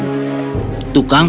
tukang perahu itu menang